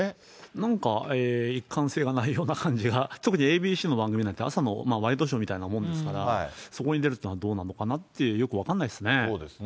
なんか一貫性がないような感じが、特にＡＢＣの番組なんて、朝のワイドショーみたいなもんですから、そこに出るというのはどうなのかなって、よく分かんないですね。